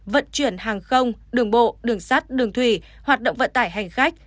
vận chuyển hàng không đường bộ đường sắt đường thủy hoạt động vận tải hành khách